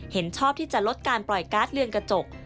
เห็นชอบที่จะลดการปล่อยการ์ดเรือนกระจก